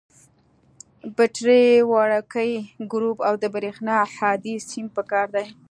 بټرۍ، وړوکی ګروپ او د برېښنا هادي سیم پکار دي.